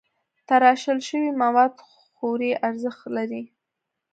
تراشل شوي مواد خوري ارزښت لري.